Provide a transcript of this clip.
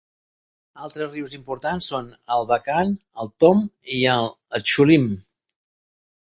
Altres rius importants són l'Abakan, el Tom, i el Txulim.